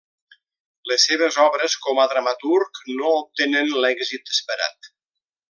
Les seves obres com a dramaturg no obtenen l'èxit esperat.